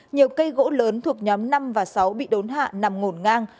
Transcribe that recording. nhiều cây gỗ lớn thuộc nhóm năm và sáu bị đốn hạ nằm ngổn ngang